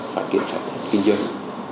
phát triển sáp nhập kinh doanh